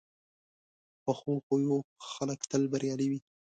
پخو خویو خلک تل بریالي وي